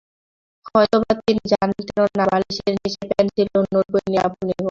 হয়তো-বা তিনি জানতেনও না বালিশের নিচে পেনসিল ও নোটবই নিয়ে আপনি ঘুমান!